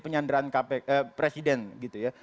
penyanderaan presiden gitu ya